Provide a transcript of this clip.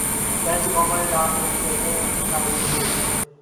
ایسی قوموں میں ہی ڈان لیکس جیسے مسائل جنم لیتے ہیں۔